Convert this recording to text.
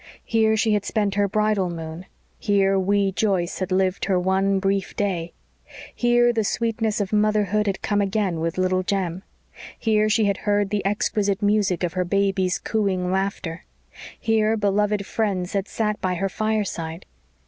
Here she had spent her bridal moon; here wee Joyce had lived her one brief day; here the sweetness of motherhood had come again with Little Jem; here she had heard the exquisite music of her baby's cooing laughter; here beloved friends had sat by her fireside.